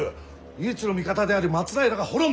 唯一の味方である松平が滅んだ。